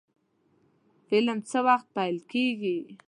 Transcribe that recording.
فلم څه وخت پیل کیږي؟